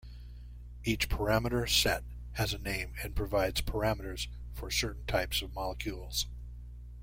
Each parameter set has a name, and provides parameters for certain types of molecules.